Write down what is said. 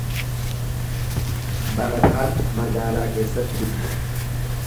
Barataan magaalaa keessatti dubbisa.